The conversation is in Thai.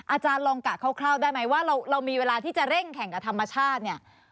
อาจารย์ลองกะคร่าวได้ไหมว่าเรามีเวลาที่จะเร่งแข่งกับธรรมชาติเนี่ย